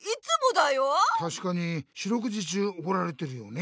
たしかに四六時中おこられてるよね。